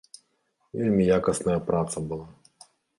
Вельмі якасная праца была.